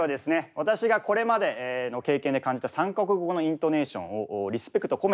私がこれまでの経験で感じた３か国語のイントネーションをリスペクトを込めてですね